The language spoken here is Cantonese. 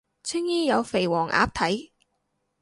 青衣有肥黃鴨睇